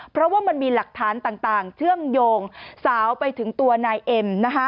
เพราะว่ามันมีหลักฐานต่างเชื่อมโยงสาวไปถึงตัวนายเอ็ม